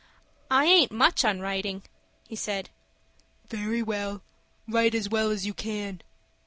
"I aint much on writin'," he said. "Very well; write as well as you can."